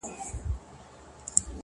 لكه د مور چي د دعا خبر په لپه كــي وي،